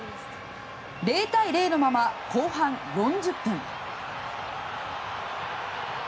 ０対０のまま、後半４０分。